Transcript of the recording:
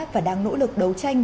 và đang nỗ lực đấu tranh